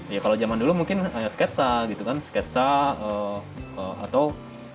ya kalau zaman dulu mungkin hanya sketsa gitu kan sketsa atau